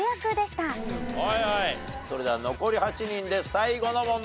それでは残り８人で最後の問題。